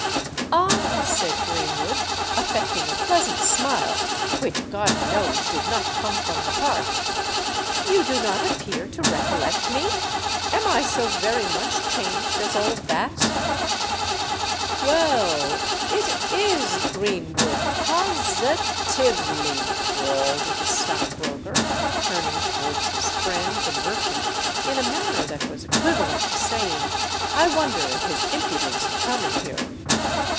"Ah!" said Greenwood, affecting a pleasant smile, which, God knows! did not come from the heart; "you do not appear to recollect me? Am I so very much changed as all that?" "Well—it is Greenwood, pos i tive ly!" drawled the stockbroker, turning towards his friend the merchant in a manner that was equivalent to saying, "I wonder at his impudence in coming here."